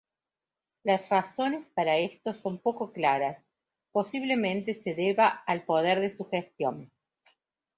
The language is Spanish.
Las razones para esto son poco claras, posiblemente se deba al "poder de sugestión".